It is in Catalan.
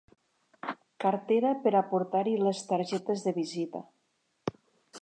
Cartera per a portar-hi les targetes de visita.